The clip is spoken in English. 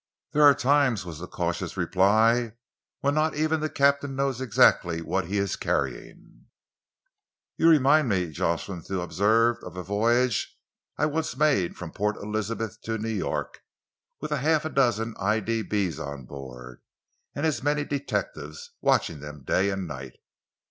"There are times," was the cautious reply, "when not even the captain knows exactly what he is carrying." "You remind me," Jocelyn Thew observed, "of a voyage I once made from Port Elizabeth to New York, with half a dozen I.D.B's on board, and as many detectives, watching them day and night."